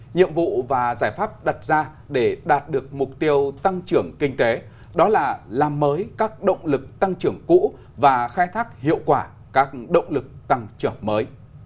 nhiệm vụ và giải pháp đặt ra để đạt được mục tiêu tăng trưởng kinh tế đó là làm mới các động lực tăng trưởng cũ và khai thác hiệu quả các động lực tăng trưởng mới